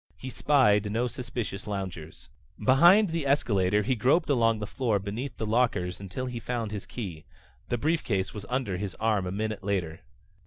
He spied no suspicious loungers. Behind the escalator he groped along the floor beneath the lockers until he found his key. The briefcase was under his arm a minute later.